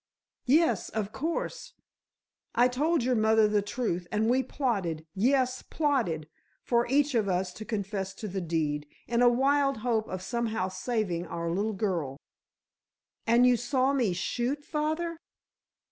"Yes, of course, I told your mother the truth, and we plotted—yes, plotted for each of us to confess to the deed, in a wild hope of somehow saving our little girl." "And you saw me shoot, father?"